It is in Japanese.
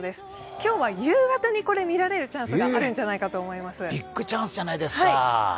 今日は夕方にこれ、見られるチャンスがあるんじゃないかと思います。